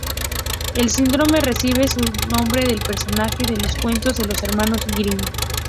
El síndrome recibe su nombre del personaje de los cuentos de los Hermanos Grimm.